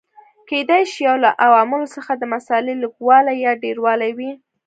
کېدای شي یو له عواملو څخه د مسالې لږوالی یا ډېروالی وي.